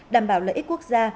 đảm bảo lợi ích quốc gia